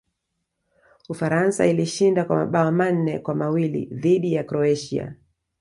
ufaransa ilishinda kwa mabao manne kwa mawili dhidi ya croatia